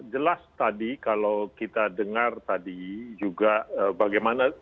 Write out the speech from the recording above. jelas tadi kalau kita dengar tadi juga bagaimana